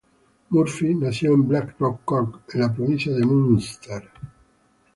Murphy nació en Blackrock, Cork, en la provincia de Munster.